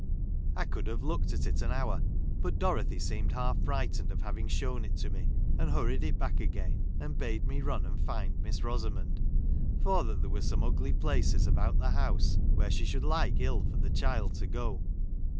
I could have looked at it an hour, but Dorothy seemed half frightened of having shown it to me, and hurried it back again, and bade me run I and find Miss Rosamond, for that there were some ugly places about the house, where she 'I should like ill for the child to go.